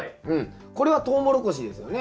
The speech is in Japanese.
これはトウモロコシですよね？